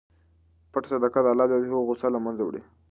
پټه صدقه د اللهﷻ غصه له منځه وړي.